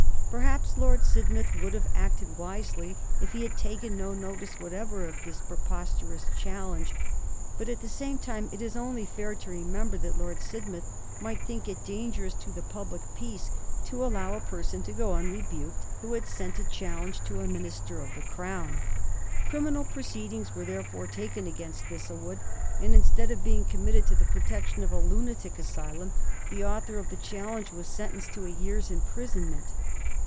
Perhaps Lord Sidmouth would have acted wisely if he had taken no notice whatever of this preposterous challenge, but, at the same time, it is only fair to remember that Lord Sidmouth might think it dangerous to the public peace to allow a person to go unrebuked who had sent a challenge to a Minister of the Crown. Criminal proceedings were, therefore, taken against Thistlewood, and, instead of being committed to the protection of a lunatic asylum, the author of the challenge was sentenced to a year's imprisonment.